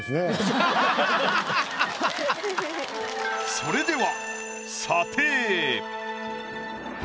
それでは。